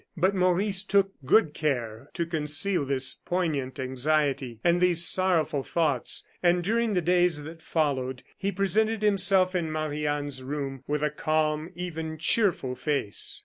But Maurice took good care to conceal this poignant anxiety and these sorrowful thoughts, and during the days that followed, he presented himself in Marie Anne's room with a calm, even cheerful face.